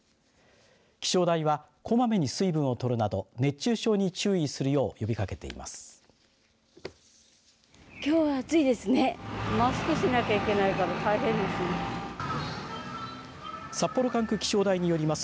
気象台はこまめに水分をとるなど熱中症に注意するよう呼びかけています。